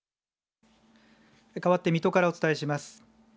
かわって水戸からお伝えします。